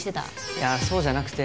いやそうじゃなくて。